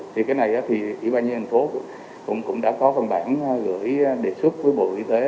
thì cái này thì ủy ban nhân thành phố cũng đã có văn bản gửi đề xuất với bộ y tế